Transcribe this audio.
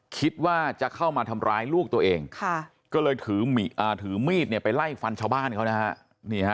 คิดว่าจะเข้ามาทำร้ายลูกตัวเองก็เลยถือมีดเนี่ยไปไล่ฟันชาวบ้านเขานะฮะ